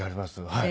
はい。